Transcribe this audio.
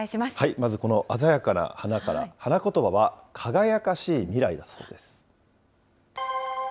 まずこの鮮やかな花から、花言葉は輝かしい未来だそうです。